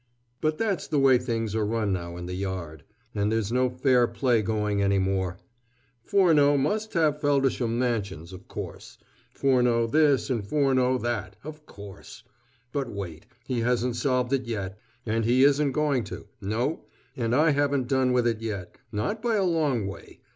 But that's the way things are run now in the Yard, and there's no fair play going any more. Furneaux must have Feldisham Mansions, of course; Furneaux this, and Furneaux that of course. But wait: he hasn't solved it yet! and he isn't going to; no, and I haven't done with it yet, not by a long way....